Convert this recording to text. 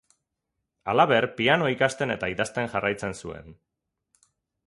Halaber, piano ikasten eta idazten jarraitzen zuen.